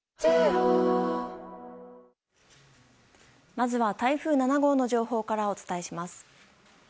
まずは台風７号の情報からお伝えします。